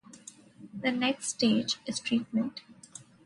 The next stage is treatment.